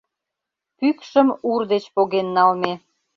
Пӱкшым Ур деч поген налме.